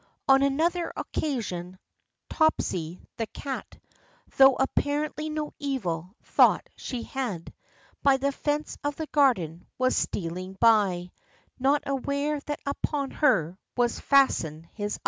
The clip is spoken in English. On another occasion, Topsy, the cat, — Though apparently no evil thought she had, — By the fence of the garden was stealing by, Not aware that upon her was fastened his eye.